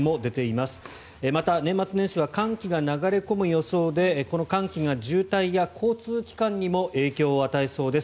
また、年末年始は寒気が流れ込む予想でこの寒気が渋滞や交通機関にも影響を与えそうです。